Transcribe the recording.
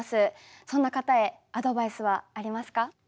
そんな方へアドバイスはありますか？